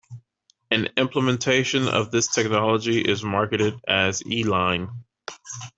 An implementation of this technology is marketed as E-Line.